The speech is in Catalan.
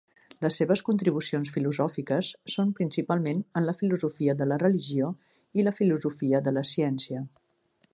Les seves contribucions filosòfiques són principalment en la filosofia de la religió i la filosofia de la ciència.